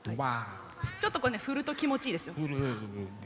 ちょっとこう振ると気持ちいいですよ。